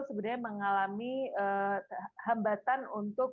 sebenarnya mengalami hambatan untuk